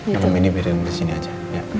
yang ini biarin di sini aja